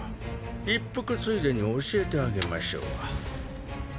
一服ついでに教えてあげましょう。